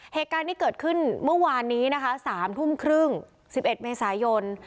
เหตุการณ์ที่เกิดขึ้นเมื่อวานนี้นะคะ๓ทุ่มครึ่ง๑๑เมษายน